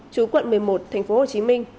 chú quận một mươi một tp hcm